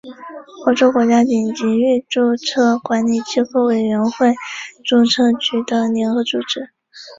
欧洲国家顶级域注册管理机构委员会注册局的联合组织。